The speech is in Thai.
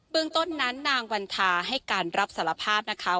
เมืองต้นนั้นนางวันทาให้การรับสารภาพนะคะ